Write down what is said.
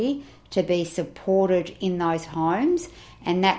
untuk disempatkan di rumah rumah itu